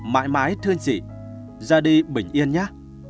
mãi mãi thương chị ra đi bình yên nhé